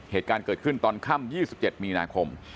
เหตุการณ์เกิดขึ้นตอนค่ำยี่สิบเจ็ดมีนาคม